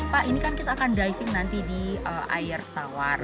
pak ini kan kita akan diving nanti di air tawar